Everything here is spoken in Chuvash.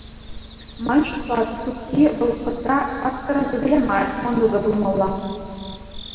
Ман шутпа, Тукки вӑл Кӑтра-паттӑрӑн ывӑлӗ мар, мӑнукӗ пулмалла.